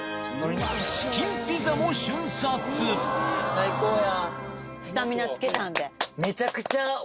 最高や。